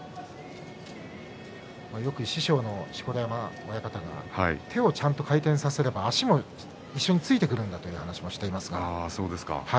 よく師匠の錣山親方が手をちゃんと回転させれば足も一緒についていくと話していますが。